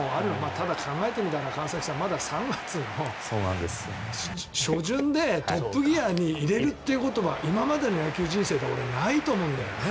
ただ、考えてみたら川崎さんまだ３月の初旬でトップギアに入れるということは今までの野球人生で俺、ないと思うんだよね。